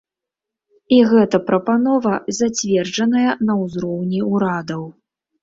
І гэта прапанова зацверджаная на ўзроўні ўрадаў.